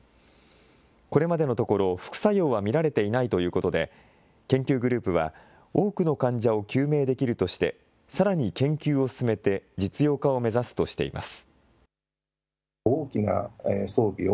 これまでのところ、副作用は見られていないということで、研究グループは、多くの患者を救命できるとして、さらに研究を進めて実用化を目指すとしています。